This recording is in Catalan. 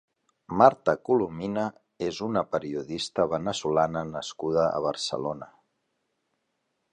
Marta Colomina és una periodista -veneçolana nascuda a Barcelona.